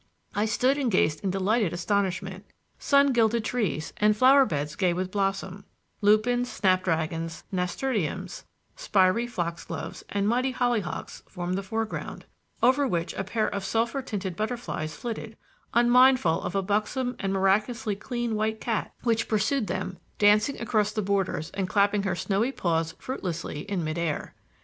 I stood and gazed in delighted astonishment. Sun gilded trees and flower beds gay with blossom; lupins, snapdragons, nasturtiums, spiry foxgloves, and mighty hollyhocks formed the foreground; over which a pair of sulphur tinted butterflies flitted, unmindful of a buxom and miraculously clean white cat which pursued them, dancing across the borders and clapping her snowy paws fruitlessly in mid air.